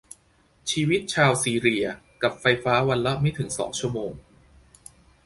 ชีวิตชาวซีเรียกับไฟฟ้าวันละไม่ถึงสองชั่วโมง